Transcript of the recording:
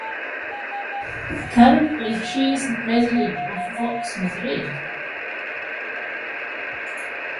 Currently she is the president of Vox Madrid.